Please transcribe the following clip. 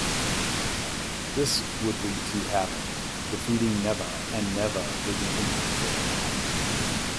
This would lead to Havok defeating Nevaeh and Nevaeh leaving Impact shortly after.